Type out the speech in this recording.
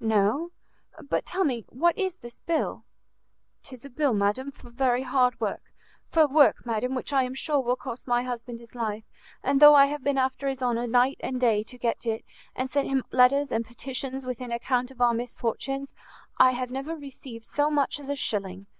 "No. But tell me, what is this bill?" "'Tis a bill, madam, for very hard work, for work, madam, which I am sure will cost my husband his life; and though I have been after his honour night and day to get it, and sent him letters and petitions with an account of our misfortunes, I have never received so much as a shilling!